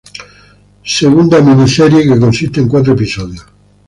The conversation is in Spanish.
Segunda Mini- Serie que consiste en cuatro episodios.